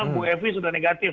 bu evi sudah negatif